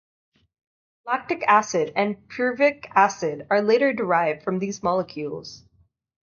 Lactic acid and pyruvic acid are later derived from these molecules.